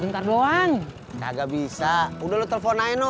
demi apa kamu bahkan sudah denyaa